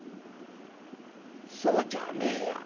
そうじゃねえや。